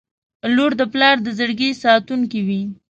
• لور د پلار د زړګي ساتونکې وي.